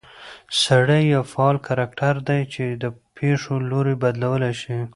سړى يو فعال کرکټر دى، چې د پېښو لورى بدلولى شي